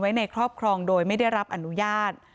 ในครอบครองโดยไม่ได้รับอนุญาต